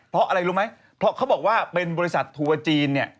เพราะอะไรรู้ไหมเพราะเขาบอกว่าเป็นบริษัททัวร์จีนเนี่ย